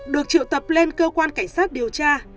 được triệu tập lên cơ quan cảnh sát điều tra